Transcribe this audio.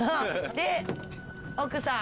で奥さん？